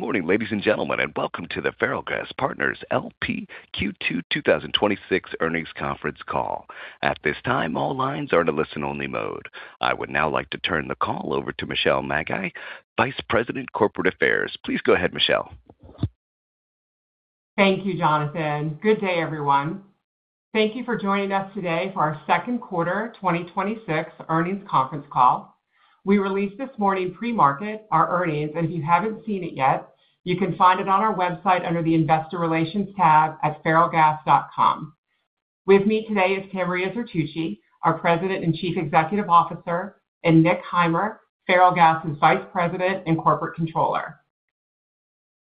Good morning, ladies and gentlemen, and welcome to the Ferrellgas Partners, L.P. Q2 2026 Earnings Conference Call. At this time, all lines are in a listen-only mode. I would now like to turn the call over to Michelle Magee, Vice President, Corporate Affairs. Please go ahead, Michelle. Thank you, Jonathan. Good day, everyone. Thank you for joining us today for our second quarter 2026 earnings conference call. We released this morning pre-market our earnings. If you haven't seen it yet, you can find it on our website under the Investor Relations tab at ferrellgas.com. With me today is Tamria Zertuche, our President and Chief Executive Officer, and Nick Heimer, Ferrellgas' Vice President and Corporate Controller.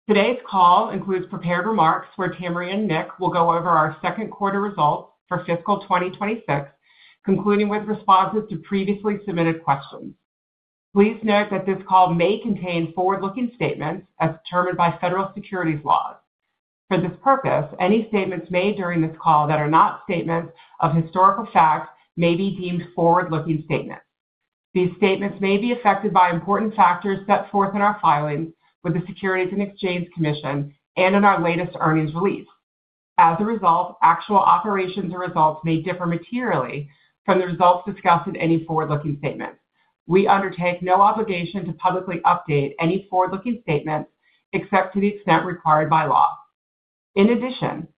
Today's call includes prepared remarks where Tamria and Nick will go over our second quarter results for fiscal 2026, concluding with responses to previously submitted questions. Please note that this call may contain forward-looking statements as determined by federal securities laws. For this purpose, any statements made during this call that are not statements of historical facts may be deemed forward-looking statements. These statements may be affected by important factors set forth in our filings with the Securities and Exchange Commission and in our latest earnings release. As a result, actual operations or results may differ materially from the results discussed in any forward-looking statements. We undertake no obligation to publicly update any forward-looking statements except to the extent required by law. In addition,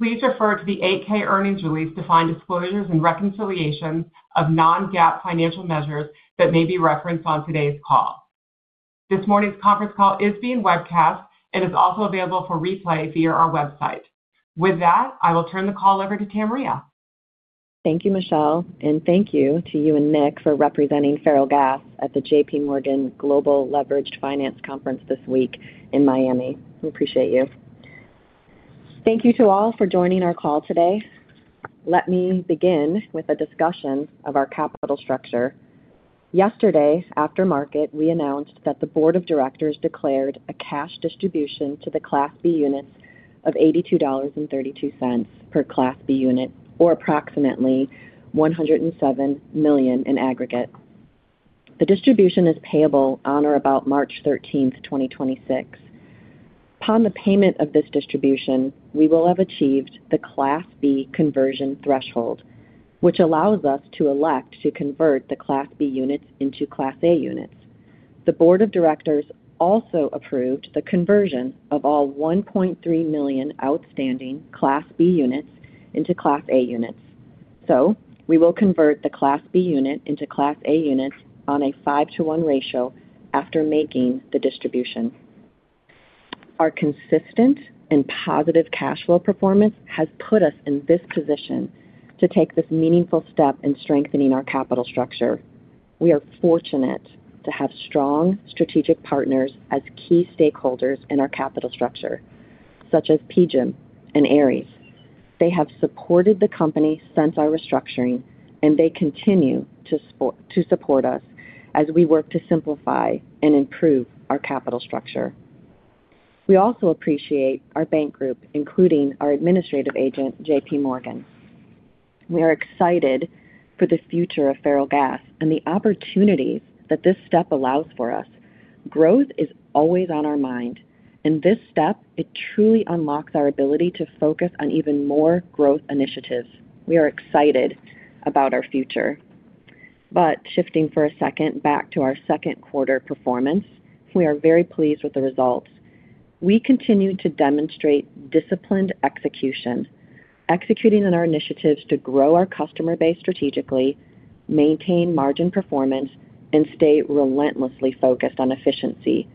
please refer to the Form 8-K earnings release to find disclosures and reconciliations of non-GAAP financial measures that may be referenced on today's call. This morning's conference call is being webcast and is also available for replay via our website. With that, I will turn the call over to Tamria. Thank you, Michelle. Thank you to you and Nick for representing Ferrellgas at the J.P. Morgan Global Leveraged Finance Conference this week in Miami. We appreciate you. Thank you to all for joining our call today. Let me begin with a discussion of our capital structure. Yesterday, after market, we announced that the board of directors declared a cash distribution to the Class B Units of $82.32 per Class B Unit, or approximately $107 million in aggregate. The distribution is payable on or about March 13, 2026. Upon the payment of this distribution, we will have achieved the Class B Conversion Threshold, which allows us to elect to convert the Class B Units into Class A Units. The board of directors also approved the conversion of all 1.3 million outstanding Class B Units into Class A Units. We will convert the Class B unit into Class A Units on a 5-to-1 ratio after making the distribution. Our consistent and positive cash flow performance has put us in this position to take this meaningful step in strengthening our capital structure. We are fortunate to have strong strategic partners as key stakeholders in our capital structure, such as PGIM and Ares. They have supported the company since our restructuring, and they continue to support us as we work to simplify and improve our capital structure. We also appreciate our bank group, including our administrative agent, J.P. Morgan. We are excited for the future of Ferrellgas and the opportunities that this step allows for us. Growth is always on our mind. This step, it truly unlocks our ability to focus on even more growth initiatives. We are excited about our future. Shifting for a second back to our second quarter performance, we are very pleased with the results. We continue to demonstrate disciplined execution, executing on our initiatives to grow our customer base strategically, maintain margin performance, and stay relentlessly focused on efficiency.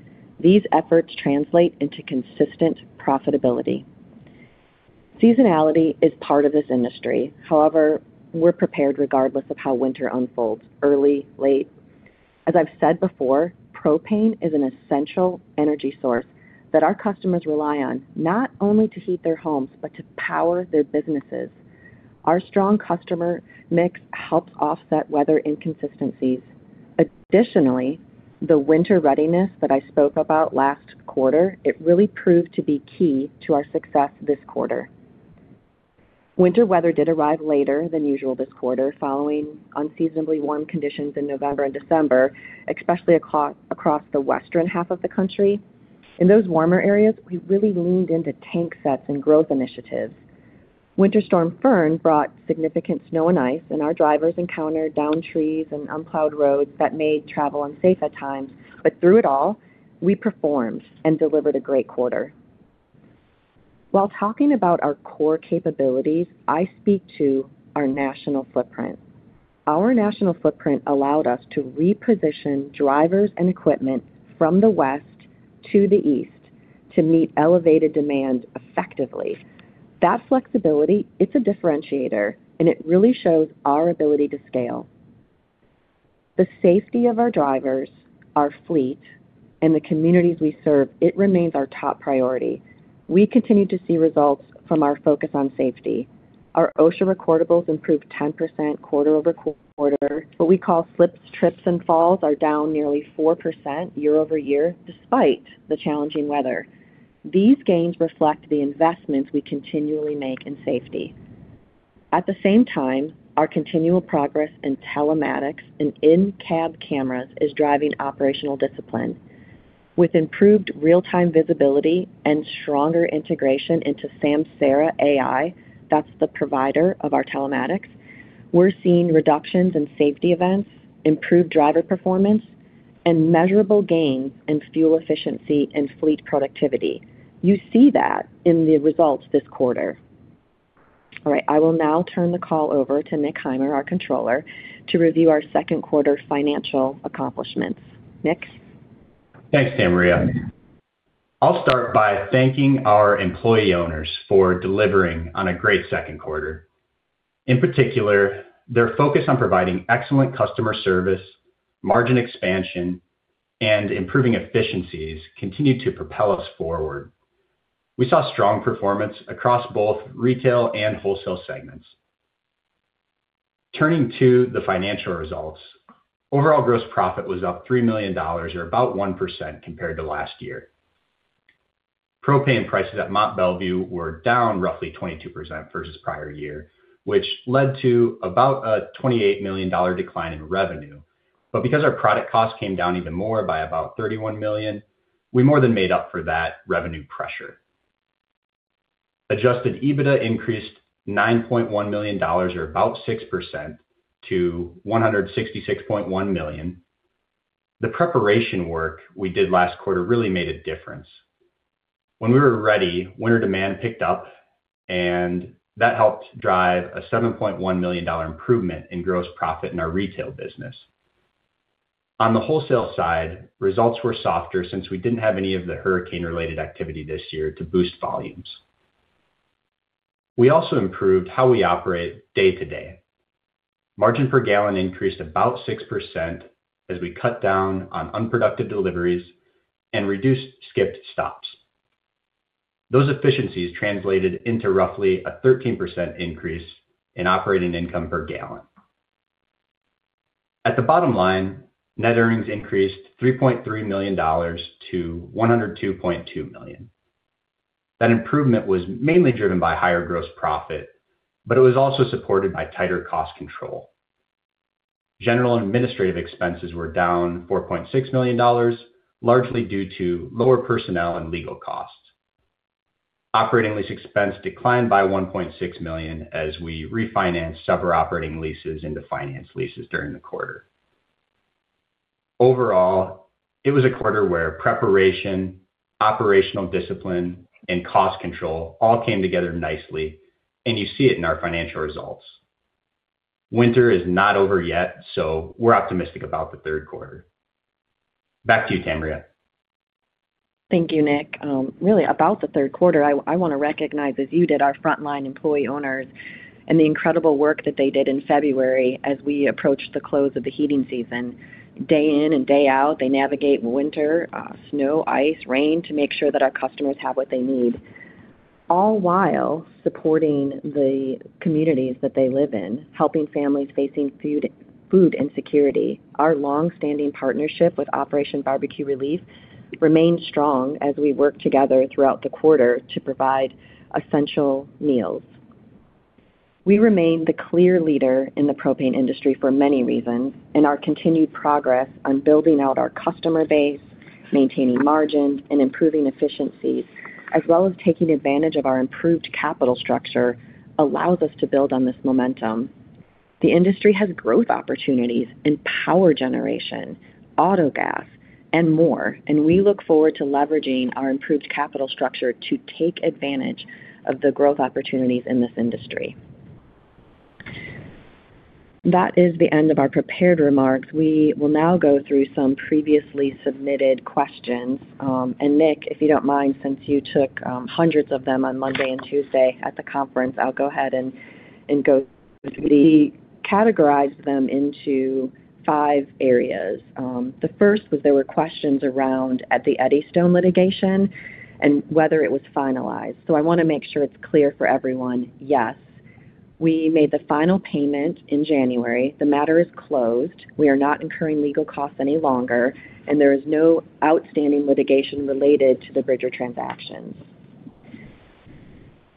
These efforts translate into consistent profitability. Seasonality is part of this industry. We're prepared regardless of how winter unfolds early, late. As I've said before, propane is an essential energy source that our customers rely on, not only to heat their homes, but to power their businesses. Our strong customer mix helps offset weather inconsistencies. The winter readiness that I spoke about last quarter, it really proved to be key to our success this quarter. Winter weather did arrive later than usual this quarter, following unseasonably warm conditions in November and December, especially across the western half of the country. In those warmer areas, we really leaned into tank sets and growth initiatives. Winter Storm Fern brought significant snow and ice, and our drivers encountered downed trees and unplowed roads that made travel unsafe at times. Through it all, we performed and delivered a great quarter. While talking about our core capabilities, I speak to our national footprint. Our national footprint allowed us to reposition drivers and equipment from the west to the east to meet elevated demand effectively. That flexibility, it's a differentiator, and it really shows our ability to scale. The safety of our drivers, our fleet, and the communities we serve, it remains our top priority. We continue to see results from our focus on safety. Our OSHA recordables improved 10% quarter-over-quarter. What we call slips, trips, and falls are down nearly 4% year-over-year, despite the challenging weather. These gains reflect the investments we continually make in safety. At the same time, our continual progress in telematics and in-cab cameras is driving operational discipline. With improved real-time visibility and stronger integration into Samsara AI, that's the provider of our telematics, we're seeing reductions in safety events, improved driver performance, and measurable gains in fuel efficiency and fleet productivity. You see that in the results this quarter. I will now turn the call over to Nick Heimer, our controller, to review our second quarter financial accomplishments. Nick? Thanks, Tamria. I'll start by thanking our employee owners for delivering on a great second quarter. In particular, their focus on providing excellent customer service, margin expansion, and improving efficiencies continued to propel us forward. We saw strong performance across both retail and wholesale segments. Turning to the financial results, overall gross profit was up $3 million or about 1% compared to last year. Propane prices at Mont Belvieu were down roughly 22% versus prior year, which led to about a $28 million decline in revenue. Because our product cost came down even more by about $31 million, we more than made up for that revenue pressure. Adjusted EBITDA increased $9.1 million or about 6% to $166.1 million. The preparation work we did last quarter really made a difference. When we were ready, winter demand picked up and that helped drive a $7.1 million improvement in gross profit in our retail business. On the wholesale side, results were softer since we didn't have any of the hurricane-related activity this year to boost volumes. We also improved how we operate day to day. Margin per gallon increased about 6% as we cut down on unproductive deliveries and reduced skipped stops. Those efficiencies translated into roughly a 13% increase in operating income per gallon. At the bottom line, net earnings increased $3.3 million to $102.2 million. That improvement was mainly driven by higher gross profit, it was also supported by tighter cost control. General and administrative expenses were down $4.6 million, largely due to lower personnel and legal costs. Operating lease expense declined by $1.6 million as we refinanced several operating leases into finance leases during the quarter. Overall, it was a quarter where preparation, operational discipline, and cost control all came together nicely, and you see it in our financial results. Winter is not over yet, so we're optimistic about the third quarter. Back to you, Tamria. Thank you, Nick. Really about the third quarter, I wanna recognize, as you did, our frontline employee owners and the incredible work that they did in February as we approached the close of the heating season. Day in and day out, they navigate winter, snow, ice, rain to make sure that our customers have what they need, all while supporting the communities that they live in, helping families facing food insecurity. Our long-standing partnership with Operation BBQ Relief remains strong as we work together throughout the quarter to provide essential meals. We remain the clear leader in the propane industry for many reasons, and our continued progress on building out our customer base, maintaining margin, and improving efficiencies, as well as taking advantage of our improved capital structure allows us to build on this momentum. The industry has growth opportunities in power generation, autogas, and more. We look forward to leveraging our improved capital structure to take advantage of the growth opportunities in this industry. That is the end of our prepared remarks. We will now go through some previously submitted questions. Nick, if you don't mind, since you took hundreds of them on Monday and Tuesday at the conference, I'll go ahead and go. We categorized them into five areas. The first was there were questions around the Eddystone litigation and whether it was finalized. I wanna make sure it's clear for everyone, yes, we made the final payment in January. The matter is closed. We are not incurring legal costs any longer. There is no outstanding litigation related to the Bridger transactions.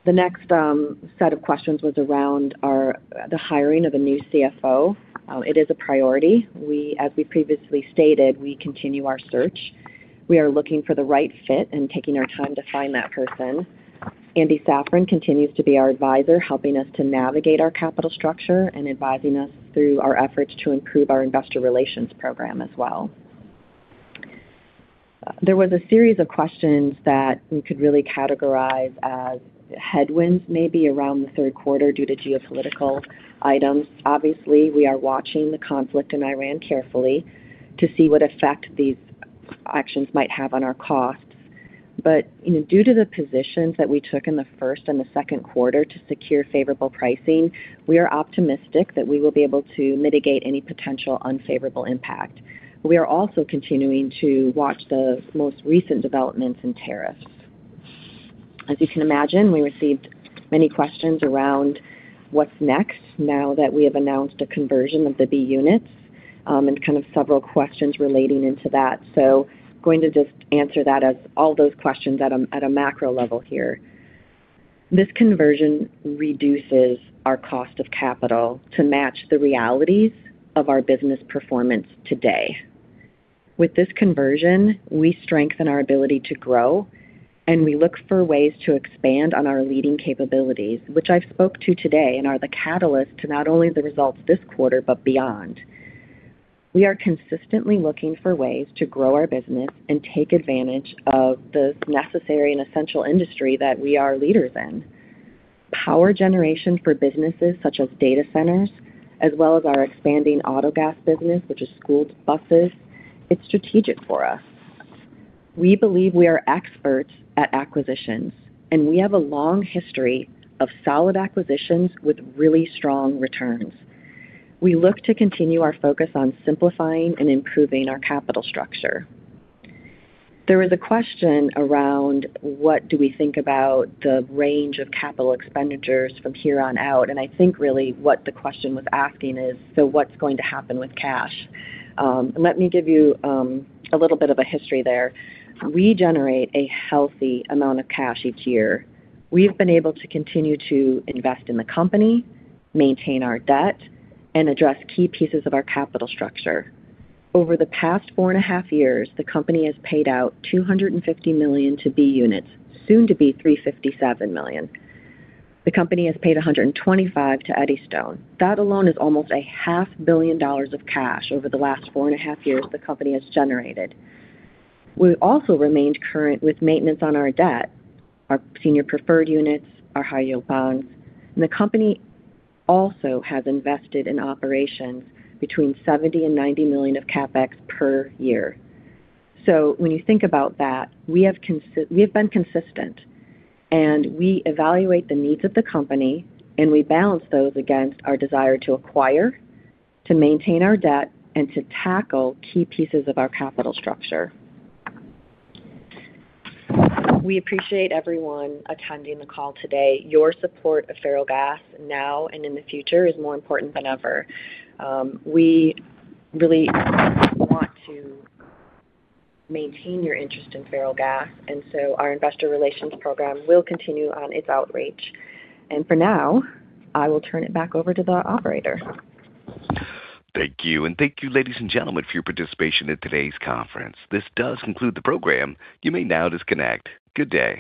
The next set of questions was around the hiring of a new CFO. It is a priority. As we previously stated, we continue our search. We are looking for the right fit and taking our time to find that person. Andy Safran continues to be our advisor, helping us to navigate our capital structure and advising us through our efforts to improve our investor relations program as well. There was a series of questions that we could really categorize as headwinds maybe around the third quarter due to geopolitical items. Obviously, we are watching the conflict in Iran carefully to see what effect these actions might have on our costs. You know, due to the positions that we took in the first and the second quarter to secure favorable pricing, we are optimistic that we will be able to mitigate any potential unfavorable impact. We are also continuing to watch the most recent developments in tariffs. As you can imagine, we received many questions around what's next now that we have announced a conversion of the B Units. Kind of several questions relating into that. Going to just answer that as all those questions at a, at a macro level here. This conversion reduces our cost of capital to match the realities of our business performance today. With this conversion, we strengthen our ability to grow, and we look for ways to expand on our leading capabilities, which I've spoke to today and are the catalyst to not only the results this quarter, but beyond. We are consistently looking for ways to grow our business and take advantage of the necessary and essential industry that we are leaders in. Power generation for businesses such as data centers, as well as our expanding autogas business, which is school buses, it's strategic for us. We believe we are experts at acquisitions, and we have a long history of solid acquisitions with really strong returns. We look to continue our focus on simplifying and improving our capital structure. There was a question around what do we think about the range of capital expenditures from here on out? I think really what the question was asking is, what's going to happen with cash? Let me give you a little bit of a history there. We generate a healthy amount of cash each year. We've been able to continue to invest in the company, maintain our debt, and address key pieces of our capital structure. Over the past four and a half years, the company has paid out $250 million to Class B Units, soon to be $357 million. The company has paid $125 million to Eddystone. That alone is almost a half billion dollars of cash over the last 4.5 Years the company has generated. We also remained current with maintenance on our debt, our senior preferred units, our high-yield bonds, and the company also has invested in operations between $70 million and $90 million of CapEx per year. When you think about that, we have been consistent, and we evaluate the needs of the company, and we balance those against our desire to acquire, to maintain our debt, and to tackle key pieces of our capital structure. We appreciate everyone attending the call today. Your support of Ferrellgas now and in the future is more important than ever. We really want to maintain your interest in Ferrellgas, and so our investor relations program will continue on its outreach. For now, I will turn it back over to the operator. Thank you. Thank you, ladies and gentlemen, for your participation in today's conference. This does conclude the program. You may now disconnect. Good day.